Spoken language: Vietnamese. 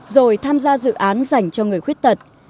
rồi tham gia dự án dành cho người khuyết tật